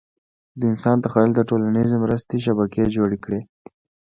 د انسان تخیل د ټولیزې مرستې شبکې جوړې کړې.